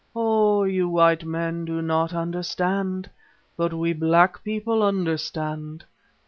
"Oh! you white men do not understand, but we black people understand.